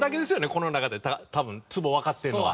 この中で多分ツボわかってるのは。